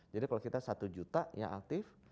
jadi kalau kita satu juta yang aktif